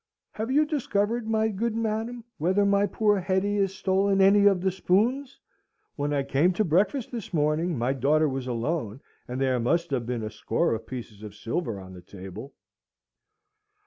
"Have you discovered, my good madam, whether my poor Hetty has stolen any of the spoons? When I came to breakfast this morning, my daughter was alone, and there must have been a score of pieces of silver on the table."